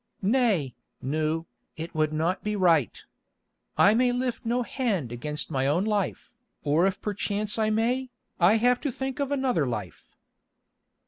"Nay, Nou, it would not be right. I may lift no hand against my own life, or if perchance I may, I have to think of another life."